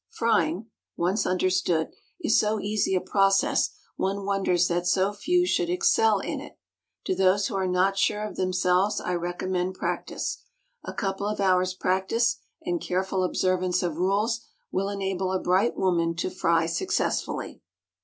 Frying, once understood, is so easy a process one wonders that so few should excel in it. To those who are not sure of themselves I recommend practice. A couple of hours' practice and careful observance of rules will enable a bright woman to fry successfully.